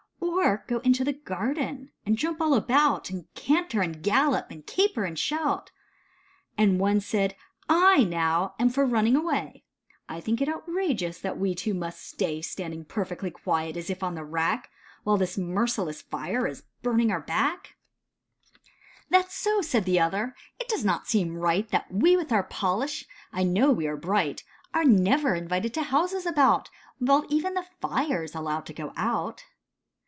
Or go into the garden, and jump all about. And canter and gallop, and caper and shout ? And one said, "/, now, am for running away, I think it outrageous, that we two must stay Standing perfectly quiet, as if on the rack. While this merciless fire is burnino our back," 237 238 How the Andirons Took a Walk. ''That's so," said the other, "it does not seem right That we with our polish, I know we are bright, Are never invited to houses about, While even the fire's allowed to go out